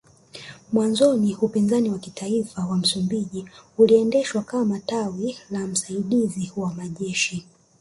Mwanzoni Upinzani wa Kitaifa wa Msumbiji uliendeshwa kama kama tawi la msaidiziwa majeshi